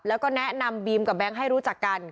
แล้วก็แนะนำบีมกับแบงค์ให้รู้จักกัน